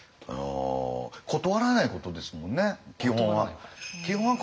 断らないことですもんね基本は。